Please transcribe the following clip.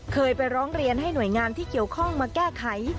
เคยไปร้องเรียนให้หน่วยงานที่เกี่ยวข้องมาแก้ไข